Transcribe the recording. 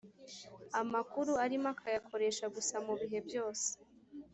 amakuru arimo akayakoresha gusa mu bihe byose